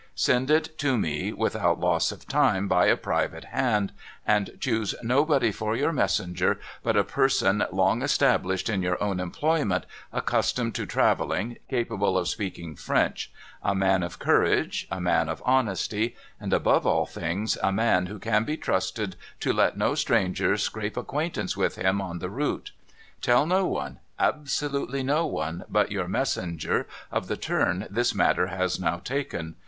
Send it to me, without loss of time, by a private hand, and choose nobody for your messenger but a person long established in your own employ ment, accustomed to travelling, capable of speaking French ; a man A TRUSTY MESSENGER WANTED 535 of courage, a man of honesty, and, above all things, a man who can be trusted to let no stranger scrape acquaintance with him on the route. Tell no one — absolutely no one — but your messenger of the turn this matter has now taken.